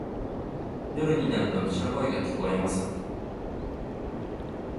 夜になると虫の声が聞こえます。